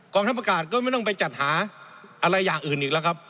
ทัพอากาศก็ไม่ต้องไปจัดหาอะไรอย่างอื่นอีกแล้วครับ